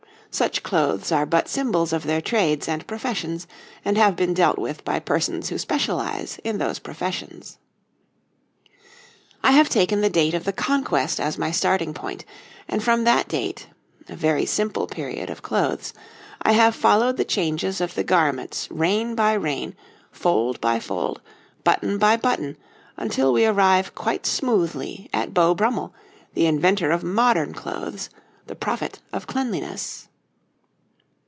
Such clothes are but symbols of their trades and professions, and have been dealt with by persons who specialize in those professions. I have taken the date of the Conquest as my starting point, and from that date a very simple period of clothes I have followed the changes of the garments reign by reign, fold by fold, button by button, until we arrive quite smoothly at Beau Brummell, the inventor of modern clothes, the prophet of cleanliness.